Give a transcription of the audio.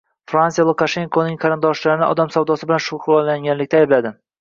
Fransiya Lukashenkoning qarindoshlarini odam savdosi bilan shug‘ullanishda aybladi